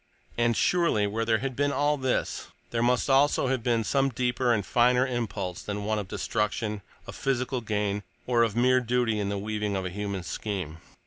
And, surely, where there had been all this, there must also have been some deeper and finer impulse than one of destruction, of physical gain, or of mere duty in the weaving of a human scheme.